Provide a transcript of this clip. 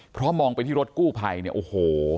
เพราะมองไปที่รถกู้ภัยเนี่ยโอ้โห